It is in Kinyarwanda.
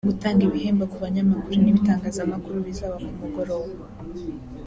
Gutanga ibihembo ku banyamakuru n’ibitangazamakuru bizaba ku mugoroba